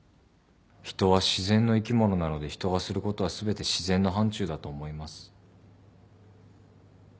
人は自然の生き物なので人がすることは全て自然の範ちゅうだと思います。